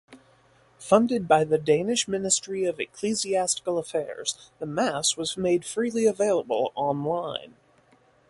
Funded by the Danish Ministry Ecclesiastical Affairs, the Mass was made freely available online.